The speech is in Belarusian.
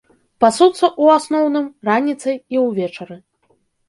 Пасуцца ў асноўным раніцай і ўвечары.